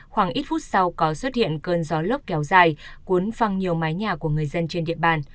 khoảng ít phút sau có xuất hiện cơn gió lốc kéo dài cuốn phăng nhiều mái nhà của người dân trên địa bàn